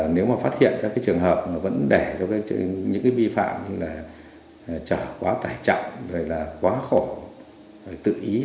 nếu mà phát hiện các trường hợp vấn đề cho những vi phạm như là chở quá tải chậm quá khổ tự ý